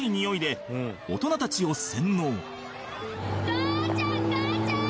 父ちゃん母ちゃーん！